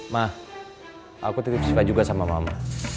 ma aku tetep sifat juga sama mama